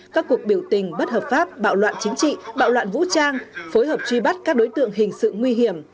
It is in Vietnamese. các cuộc biểu tình bất hợp pháp bạo loạn chính trị bạo loạn vũ trang phối hợp truy bắt các đối tượng hình sự nguy hiểm